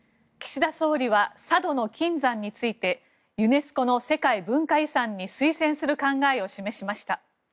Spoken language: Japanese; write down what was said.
岸田総理は佐渡島の金山についてユネスコの世界文化遺産に推薦する考えを示しました。